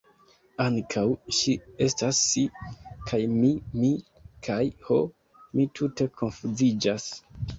Ankaŭ ŝi estas si, kaj mi mi, kaj... ho, mi tute konfuziĝas!